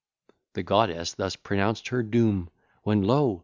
The goddess thus pronounced her doom: When, lo!